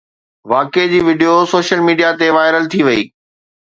واقعي جي video social media تي وائرل ٿي وئي